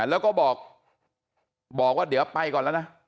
แล้วก็บอกว่าเดี๋ยวไปก่อนแล้วนะ